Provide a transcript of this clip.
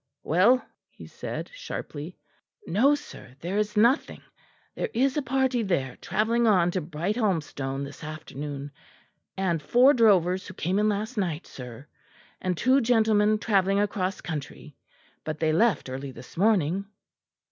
"Well?" he said sharply. "No, sir, there is nothing. There is a party there travelling on to Brighthelmstone this afternoon, and four drovers who came in last night, sir; and two gentlemen travelling across country; but they left early this morning."